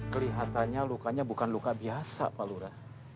kelihatannya lukanya bukan luka biasa pak lura